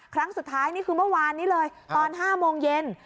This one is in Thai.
ครั้งสุดท้ายนี่คือเมื่อวานนี้เลยตอน๕โมงเย็น